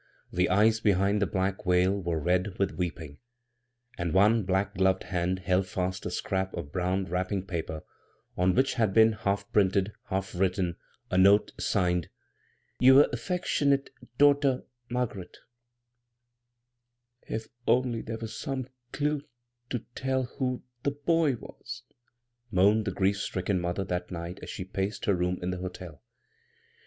The eyes be hind the black veil were red with weeping ; and one black gloved hand held fast a scrap of brown wrapping paper on which had been half printed, half written, a note signed " yuer effeckshunate dorter Margaret" " H only there were some clew to tell who the ' Boy ' was," moaned the grief stricken mother that night as she paced her room in the hotel.